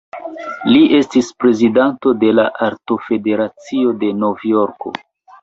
Li estis prezidanto de la Artofederacio de Novjorko.